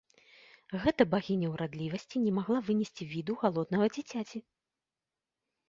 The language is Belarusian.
Гэта багіня ўрадлівасці не магла вынесці віду галоднага дзіцяці.